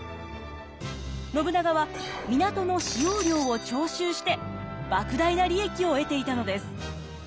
信長は港の使用料を徴収して莫大な利益を得ていたのです。